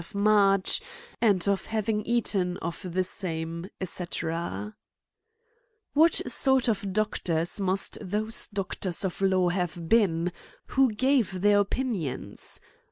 of March, and of having eaten of the same, &c/' What sort of Doctors must those Doctors of law have been, who gave their opinions